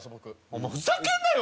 お前ふざけんなよ！